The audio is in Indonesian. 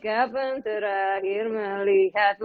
kapan terakhir melihat